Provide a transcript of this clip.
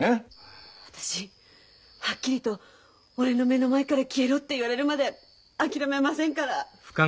私はっきりと俺の目の前から消えろって言われるまで諦めませんから。